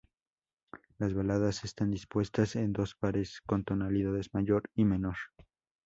Las baladas están dispuestas en dos pares con tonalidades mayor y menor.